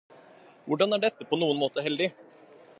Hvordan er dette på noen måte heldig?